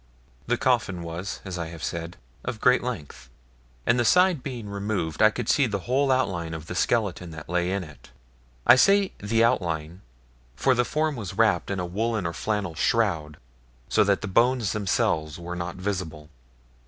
The coffin was, as I have said, of great length, and the side being removed, I could see the whole outline of the skeleton that lay in it. I say the outline, for the form was wrapped in a woollen or flannel shroud, so that the bones themselves were not visible.